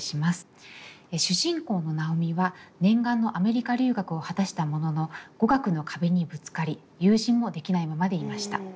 主人公の尚美は念願のアメリカ留学を果たしたものの語学の壁にぶつかり友人もできないままでいました。